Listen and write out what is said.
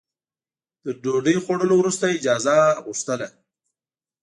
تر ډوډۍ خوړلو وروسته اجازه غوښتله.